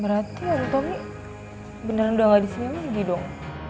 berarti ya tumi beneran udah gak disini lagi dong